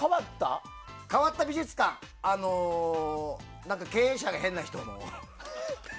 変わった美術館は何か、経営者が変な人の。